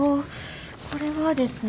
これはですね。